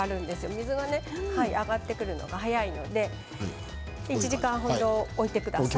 水が上がってくるのが早いので１時間程、置いてください。